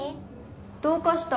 どうかした？